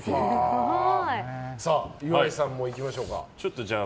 岩井さんもいきましょうか。